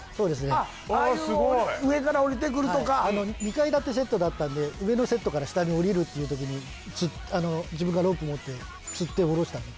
ああいう上から降りてくるとか２階建てセットだったんで上のセットから下に降りるっていうときに自分がロープ持って吊って降ろしたんです